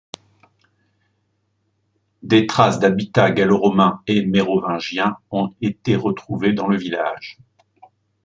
Des traces d'habitat gallo-romain et mérovingien ont été retrouvées dans le village.